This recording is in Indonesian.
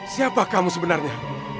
siapa kamu sebenarnya